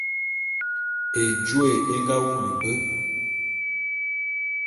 Ejôé é nga wulu be.